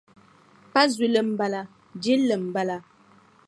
Pa zuli m-bala jilli m-bala.